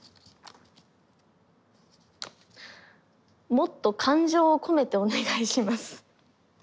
「もっと感情を込めてお願いします」。